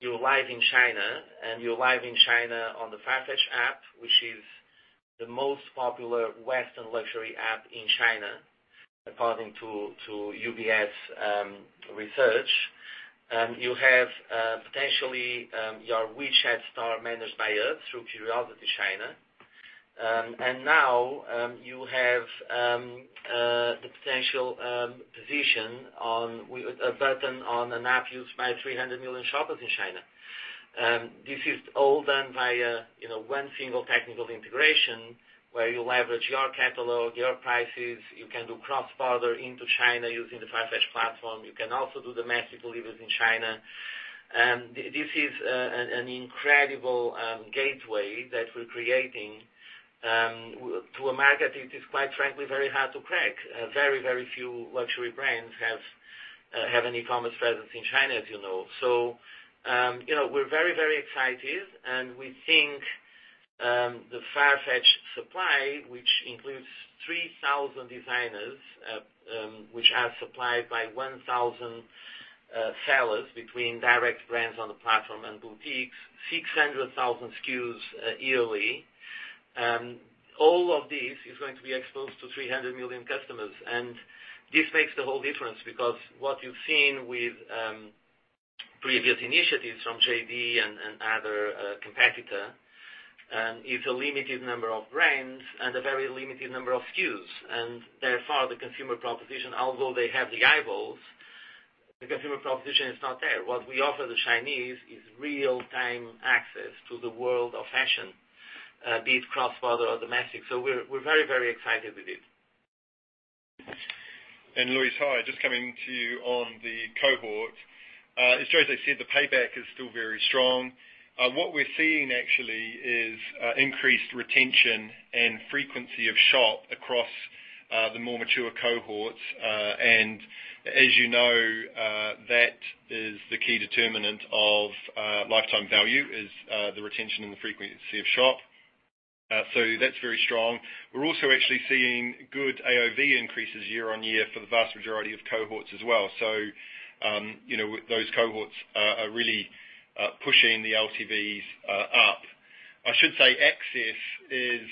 you're live in China, and you're live in China on the Farfetch app, which is the most popular Western luxury app in China, according to UBS research. You have, potentially, your WeChat store managed by us through CuriosityChina. Now you have the potential position on a button on an app used by 300 million shoppers in China. This is all done via one single technical integration where you leverage your catalog, your prices. You can do cross-border into China using the Farfetch platform. You can also do domestic deliveries in China. This is an incredible gateway that we're creating to a market which is, quite frankly, very hard to crack. Very few luxury brands have an e-commerce presence in China, as you know. We're very excited, and we think the Farfetch supply, which includes 3,000 designers, which are supplied by 1,000 sellers between direct brands on the platform and boutiques, 600,000 SKUs yearly. All of this is going to be exposed to 300 million customers, and this makes the whole difference because previous initiatives from JD and other competitor, is a limited number of brands and a very limited number of SKUs. Therefore, the consumer proposition, although they have the eyeballs, the consumer proposition is not there. What we offer the Chinese is real time access to the world of fashion, be it cross-border or domestic. We're very excited with it. Louise, hi, just coming to you on the cohort. As José said, the payback is still very strong. What we're seeing actually is increased retention and frequency of shop across the more mature cohorts. As you know, that is the key determinant of lifetime value, is the retention and the frequency of shop. That's very strong. We're also actually seeing good AOV increases year-on-year for the vast majority of cohorts as well. Those cohorts are really pushing the LTVs up. I should say Access is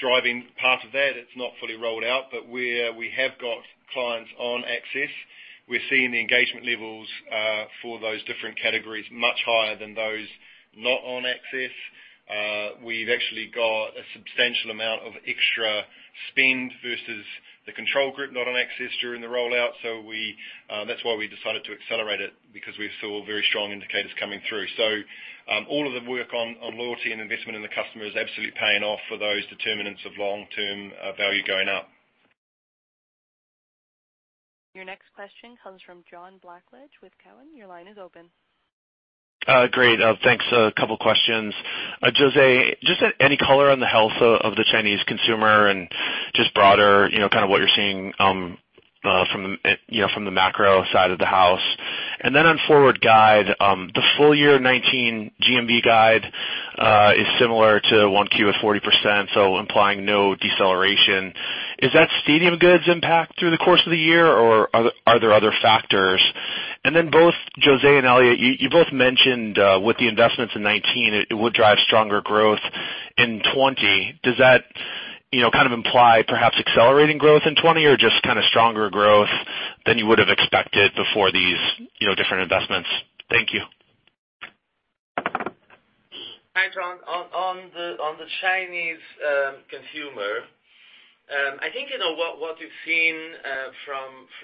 driving part of that. It's not fully rolled out, but where we have got clients on Access, we're seeing the engagement levels, for those different categories, much higher than those not on Access. We've actually got a substantial amount of extra spend versus the control group, not on Access during the rollout. That's why we decided to accelerate it, because we saw very strong indicators coming through. All of the work on loyalty and investment in the customer is absolutely paying off for those determinants of long-term value going up. Your next question comes from John Blackledge with Cowen. Your line is open. Great. Thanks. A couple questions. José, just any color on the health of the Chinese consumer and just broader, what you're seeing from the macro side of the house. On forward guide, the full year 2019 GMV guide is similar to 1Q at 40%, implying no deceleration. Is that Stadium Goods impact through the course of the year, or are there other factors? Both José and Elliot, you both mentioned with the investments in 2019, it would drive stronger growth in 2020. Does that imply perhaps accelerating growth in 2020 or just stronger growth than you would have expected before these different investments? Thank you. Hi, John. On the Chinese consumer, I think what you've seen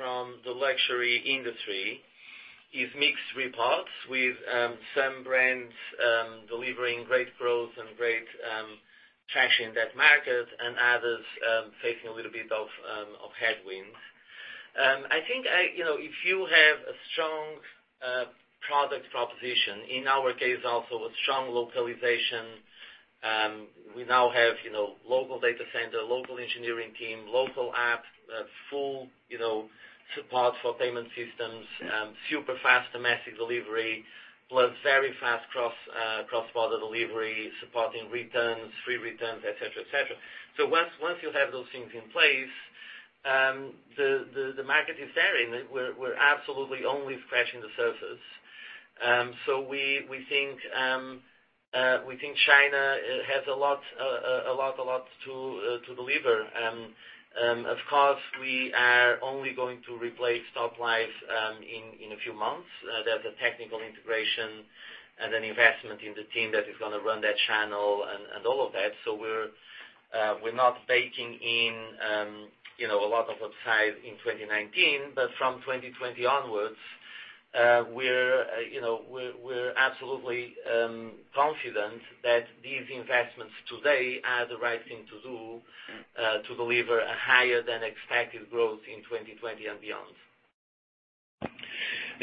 from the luxury industry is mixed reports with some brands delivering great growth and great cash in that market and others facing a little bit of headwinds. I think, if you have a strong product proposition, in our case, also a strong localization. We now have local data center, local engineering team, local app, full support for payment systems, super fast domestic delivery, plus very fast cross-border delivery, supporting returns, free returns, et cetera. Once you have those things in place, the market is there, and we're absolutely only scratching the surface. We think China has a lot to deliver. Of course, we are only going to replace Toplife in a few months. There's a technical integration and an investment in the team that is going to run that channel and all of that. We're not baking in a lot of upside in 2019, but from 2020 onwards, we're absolutely confident that these investments today are the right thing to do to deliver a higher than expected growth in 2020 and beyond.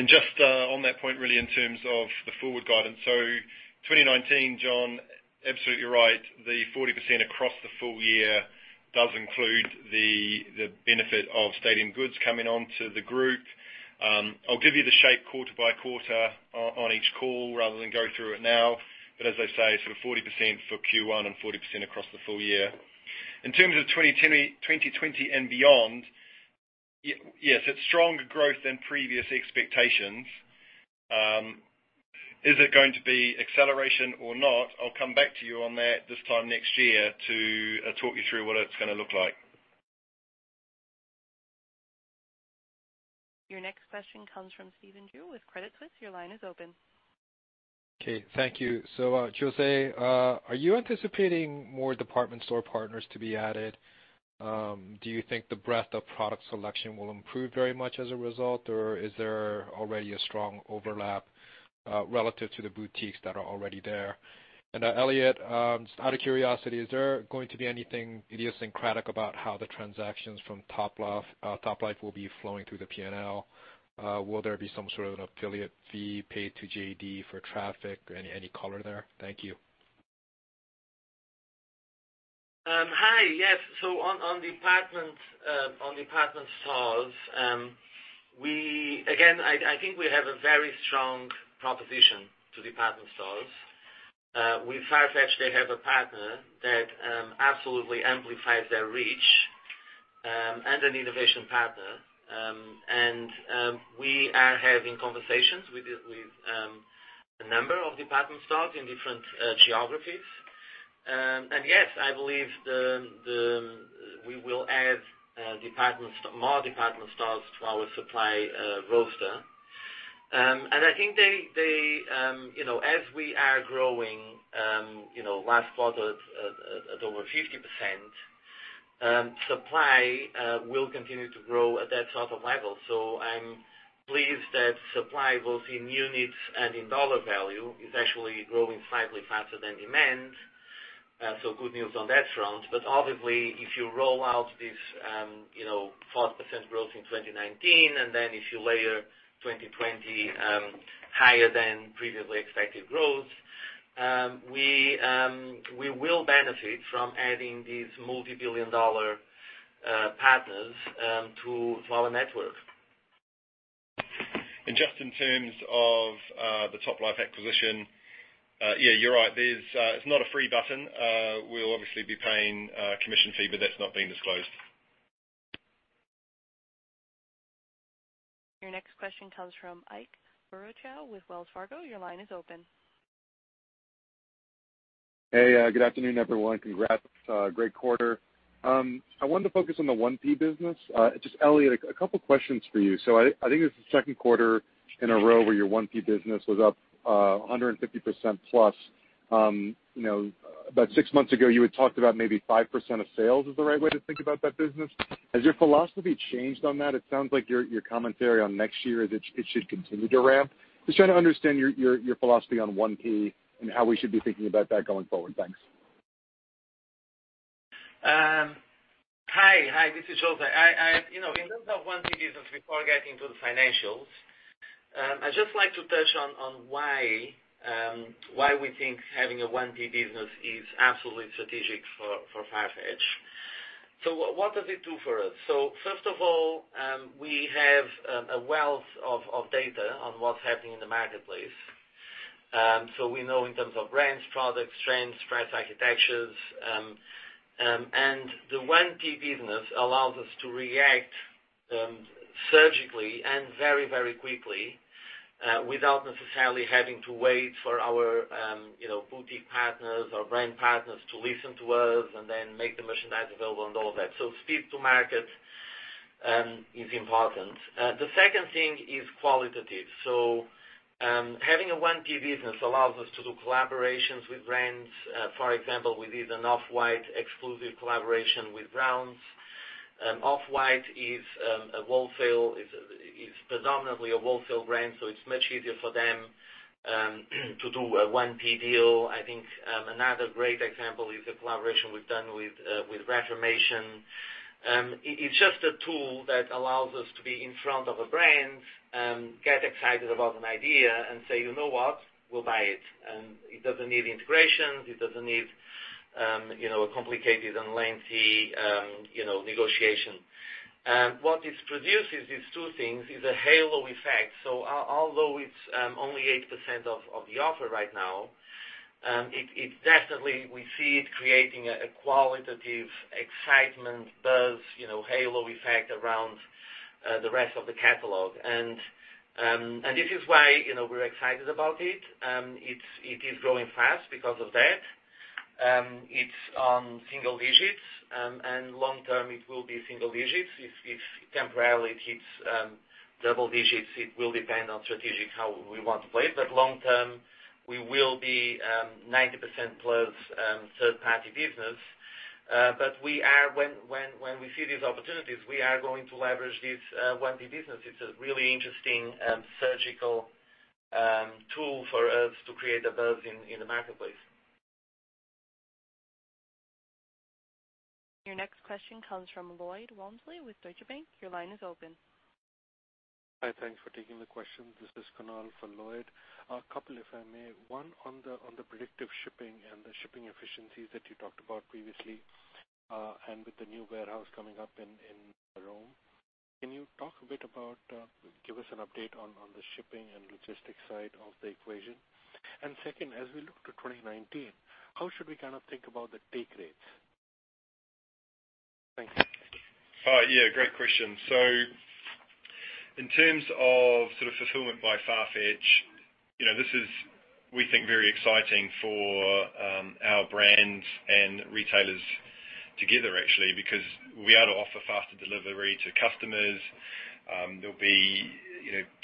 Just on that point, really in terms of the forward guidance. 2019, John, absolutely right. The 40% across the full year does include the benefit of Stadium Goods coming on to the group. I'll give you the shape quarter by quarter on each call rather than go through it now. As I say, sort of 40% for Q1 and 40% across the full year. In terms of 2020 and beyond, yes, it's stronger growth than previous expectations. Is it going to be acceleration or not? I'll come back to you on that this time next year to talk you through what it's going to look like. Your next question comes from Stephen Ju with Credit Suisse. Your line is open. Okay, thank you. José, are you anticipating more department store partners to be added? Do you think the breadth of product selection will improve very much as a result, or is there already a strong overlap relative to the boutiques that are already there? Elliot, just out of curiosity, is there going to be anything idiosyncratic about how the transactions from Toplife will be flowing through the P&L? Will there be some sort of an affiliate fee paid to JD for traffic? Any color there? Thank you. On department stores, again, I think we have a very strong proposition to department stores. With Farfetch, they have a partner that absolutely amplifies their reach, and an innovation partner. We are having conversations with a number of department stores in different geographies. Yes, I believe we will add more department stores to our supply roster. I think as we are growing, last quarter at over 50%, supply will continue to grow at that sort of level. I'm pleased that supply, both in units and in dollar value, is actually growing slightly faster than demand. Good news on that front. Obviously, if you roll out this 4% growth in 2019, then if you layer 2020 higher than previously expected growth, we will benefit from adding these multi-billion-dollar partners to our network. Just in terms of the Toplife acquisition, yeah, you're right. It's not a free button. We'll obviously be paying a commission fee, but that's not being disclosed. Your next question comes from Ike Boruchow with Wells Fargo. Your line is open. Hey, good afternoon, everyone. Congrats. Great quarter. I wanted to focus on the 1P business. Just Elliot, a couple questions for you. I think this is the second quarter in a row where your 1P business was up 150%+. About six months ago, you had talked about maybe 5% of sales is the right way to think about that business. Has your philosophy changed on that? It sounds like your commentary on next year is it should continue to ramp. Just trying to understand your philosophy on 1P and how we should be thinking about that going forward. Thanks. Hi. This is José. In terms of 1P business, before getting to the financials, I'd just like to touch on why we think having a 1P business is absolutely strategic for Farfetch. What does it do for us? First of all, we have a wealth of data on what's happening in the marketplace. We know in terms of brands, products, trends, price architectures. The 1P business allows us to react surgically and very quickly, without necessarily having to wait for our boutique partners or brand partners to listen to us and then make the merchandise available and all of that. Speed to market is important. The second thing is qualitative. Having a 1P business allows us to do collaborations with brands. For example, we did an Off-White exclusive collaboration with Browns. Off-White is predominantly a wholesale brand, so it's much easier for them to do a 1P deal. I think another great example is the collaboration we've done with Reformation. It's just a tool that allows us to be in front of a brand, get excited about an idea, and say, "You know what? We'll buy it." It doesn't need integrations, it doesn't need a complicated and lengthy negotiation. What this produces, these two things, is a halo effect. Although it's only 8% of the offer right now, it definitely, we see it creating a qualitative excitement, buzz, halo effect around the rest of the catalog. This is why we're excited about it. It is growing fast because of that. It's on single digits. Long term, it will be single digits. If temporarily it hits double digits, it will depend on strategic, how we want to play it. Long term, we will be 90%+ third-party business. When we see these opportunities, we are going to leverage this 1P business. It's a really interesting surgical tool for us to create a buzz in the marketplace. Your next question comes from Lloyd Walmsley with Deutsche Bank. Your line is open. Hi, thanks for taking the question. This is Kunal for Lloyd Walmsley. A couple, if I may. One on the predictive shipping and the shipping efficiencies that you talked about previously, and with the new warehouse coming up in Rome. Can you talk a bit about, give us an update on the shipping and logistics side of the equation? Second, as we look to 2019, how should we kind of think about the take rates? Thanks. Yeah, great question. In terms of sort of Fulfillment by Farfetch, this is, we think very exciting for our brands and retailers together actually, because we are to offer faster delivery to customers. There'll be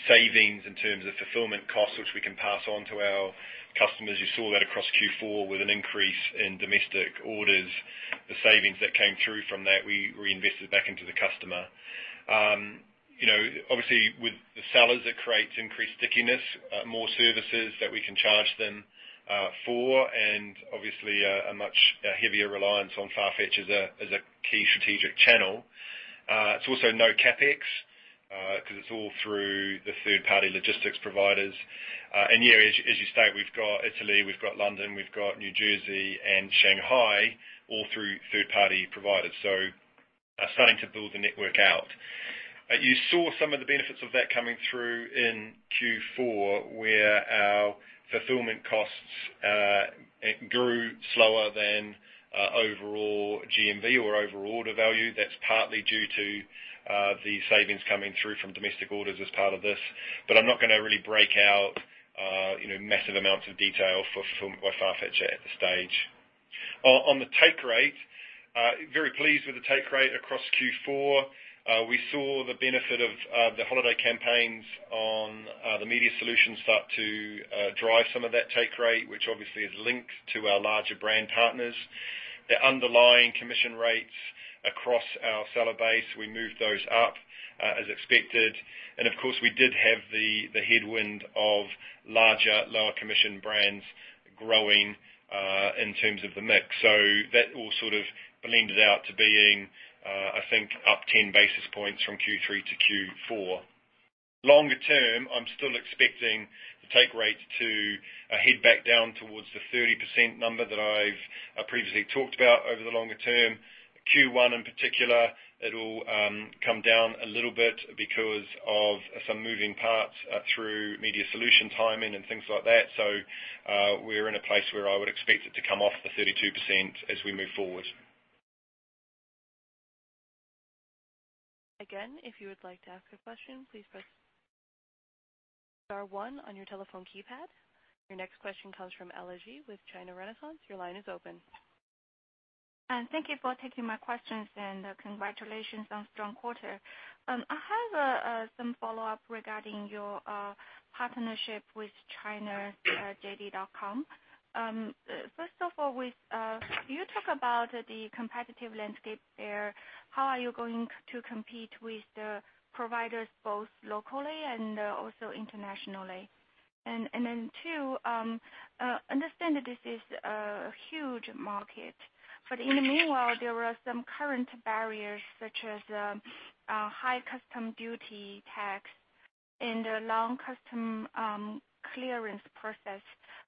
savings in terms of fulfillment costs, which we can pass on to our customers. You saw that across Q4 with an increase in domestic orders. The savings that came through from that, we reinvested back into the customer. Obviously, with the sellers, it creates increased stickiness, more services that we can charge them for, and obviously, a much heavier reliance on Farfetch as a key strategic channel. It's also no CapEx, because it's all through the third-party logistics providers. Yeah, as you state, we've got Italy, we've got London, we've got New Jersey, and Shanghai, all through third-party providers. Starting to build the network out. You saw some of the benefits of that coming through in Q4, where our fulfillment costs grew slower than overall GMV or overall order value. That's partly due to the savings coming through from domestic orders as part of this. I'm not going to really break out massive amounts of detail for Farfetch at this stage. On the take rate, very pleased with the take rate across Q4. We saw the benefit of the holiday campaigns on the media solution start to drive some of that take rate, which obviously is linked to our larger brand partners. The underlying commission rates across our seller base, we moved those up as expected. Of course, we did have the headwind of larger, lower commission brands growing in terms of the mix. That all blended out to being, I think, up 10 basis points from Q3 to Q4. Longer term, I'm still expecting the take rate to head back down towards the 30% number that I've previously talked about over the longer term. Q1, in particular, it'll come down a little bit because of some moving parts through media solution timing and things like that. We're in a place where I would expect it to come off the 32% as we move forward. If you would like to ask a question, please press star one on your telephone keypad. Your next question comes from Ella Ji with China Renaissance. Your line is open. Thank you for taking my questions and congratulations on strong quarter. I have some follow-up regarding your partnership with China JD.com. First of all, can you talk about the competitive landscape there? How are you going to compete with the providers, both locally and also internationally? Then two, understand that this is a huge market. In the meanwhile, there were some current barriers such as high custom duty tax and the long custom clearance process.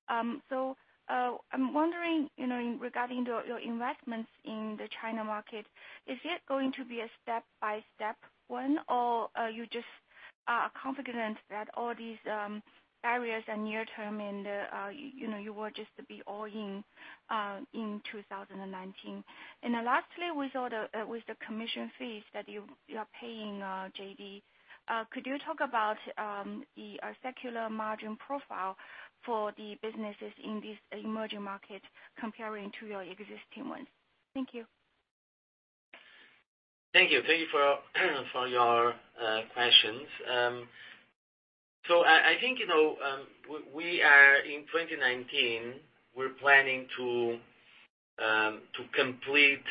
I'm wondering, regarding your investments in the China market, is it going to be a step-by-step one or are you just confident that all these barriers are near term and you will just be all in in 2019? Lastly, with the commission fees that you are paying JD, could you talk about the similar margin profile for the businesses in these emerging markets comparing to your existing ones? Thank you. Thank you. Thank you for your questions. I think in 2019, we're planning to complete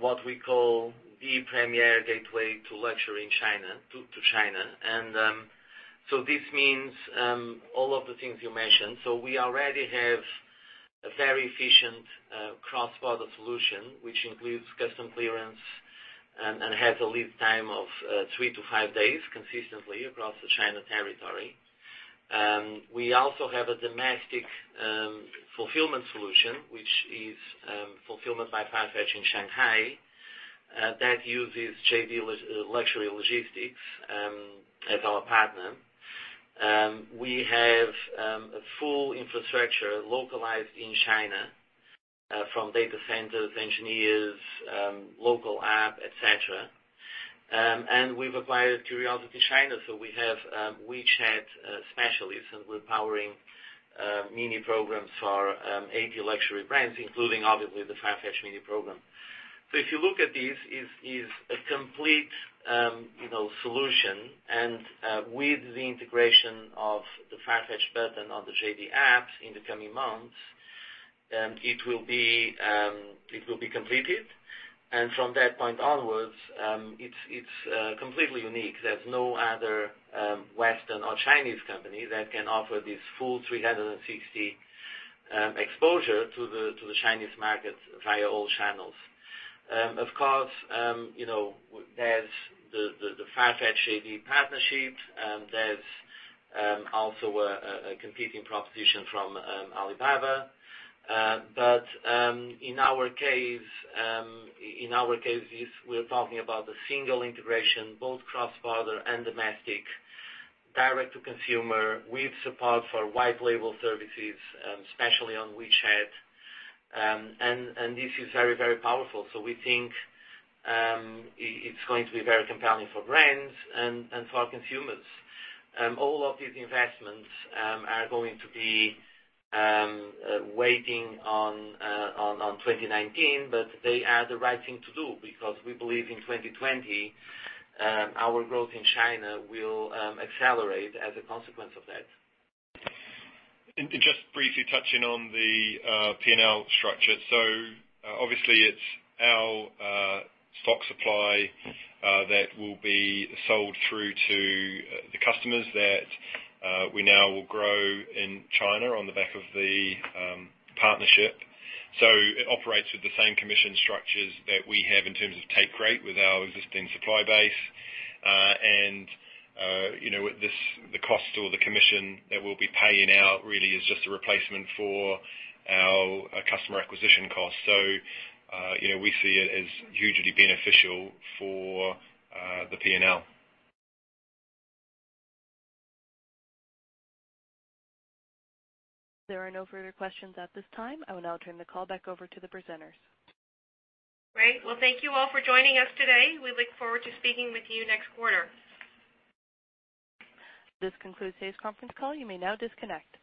what we call the premier gateway to luxury to China. This means all of the things you mentioned. We already have a very efficient cross-border solution, which includes custom clearance and has a lead time of three to five days consistently across the China territory. We also have a domestic fulfillment solution, which is Fulfillment by Farfetch in Shanghai. That uses JD Luxury Express as our partner. We have a full infrastructure localized in China from data centers, engineers, local app, et cetera. We've acquired CuriosityChina, so we have WeChat specialists, and we're powering mini programs for 80 luxury brands, including obviously the Farfetch mini program. If you look at this, it's a complete solution. With the integration of the Farfetch button on the JD apps in the coming months, it will be completed. From that point onwards, it's completely unique. There's no other Western or Chinese company that can offer this full 360 exposure to the Chinese market via all channels. Of course, there's the Farfetch JD partnership, there's also a competing proposition from Alibaba. In our case, we're talking about a single integration, both cross-border and domestic, direct to consumer with support for white label services, especially on WeChat. This is very, very powerful. We think it's going to be very compelling for brands and for our consumers. All of these investments are going to be waiting on 2019, but they are the right thing to do because we believe in 2020, our growth in China will accelerate as a consequence of that. Just briefly touching on the P&L structure. Obviously, it's our stock supply that will be sold through to the customers that we now will grow in China on the back of the partnership. It operates with the same commission structures that we have in terms of take rate with our existing supply base. The cost or the commission that we'll be paying out really is just a replacement for our customer acquisition cost. We see it as hugely beneficial for the P&L. There are no further questions at this time. I will now turn the call back over to the presenters. Great. Well, thank you all for joining us today. We look forward to speaking with you next quarter. This concludes today's conference call. You may now disconnect.